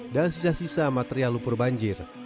dan sisa sisa material lupur banjir